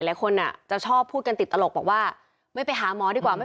หลายคนอ่ะจะชอบพูดกันติดตลกบอกว่าไม่ไปหาหมอดีกว่าไม่